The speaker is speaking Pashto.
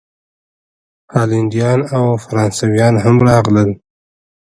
هالینډیان او فرانسویان هم راغلل.